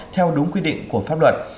theo đúng quy định của pháp luật